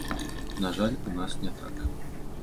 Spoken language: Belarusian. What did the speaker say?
На жаль, у нас не так.